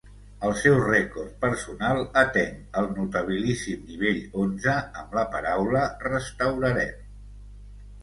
El seu rècord personal ateny el notabilíssim nivell onze amb la paraula "restaurarem".